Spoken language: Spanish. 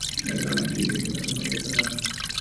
Actualmente milita en la Primera Catalana.